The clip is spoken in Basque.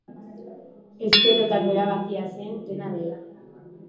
Esperotako erabakia zen, dena dela.